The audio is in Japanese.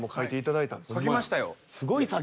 書きましたよ。